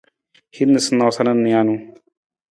Hin noosanoosa nijanu.